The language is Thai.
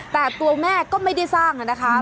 แต่ตัวแม่ก็ไม่ได้สร้างนะคะ